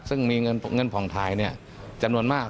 ซึ่งมีเงินผ่องทายจำนวนมาก